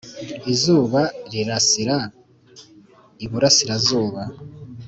izuba rirasira ibura sira zuba